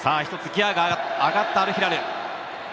一つギアが上がったアルヒラル。